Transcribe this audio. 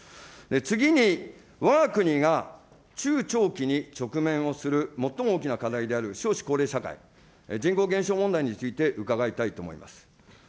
次に、わが国が中長期に直面をする最も大きな課題である少子高齢社会、人口減少問題について伺いたいと思います。